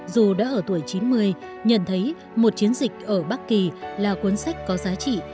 dù đã ở tuổi chín mươi nhận thấy một chiến dịch ở bắc kỳ là cuốn sách có giá trị